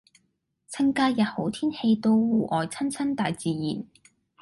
趁假日好天氣到戶外親親大自然